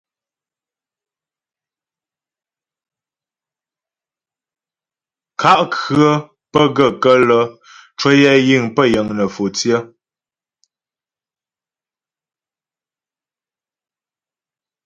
Kà' khə̌ pə́ gaə́ kələ ncwəyɛ yiŋ pə́ yiŋ nə̌fò tsyə.